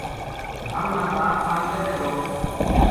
ہم نا صاف پانی لبھے گو